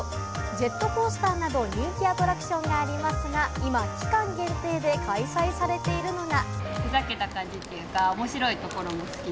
ジェットコースターなど人気アトラクションがありますが、今、期間限定で開催されているのが。